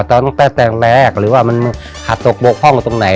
ต้องแตกแปลกหรือว่ามันหัดตกโบกพ่องตรงไหน